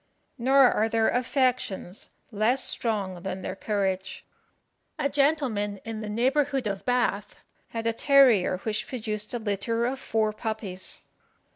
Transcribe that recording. Nor are their affections less strong than their courage. A gentleman in the neighbourhood of Bath had a terrier which produced a litter of four puppies.